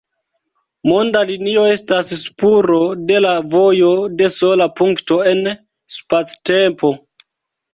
Monda linio estas spuro de la vojo de sola punkto en spactempo.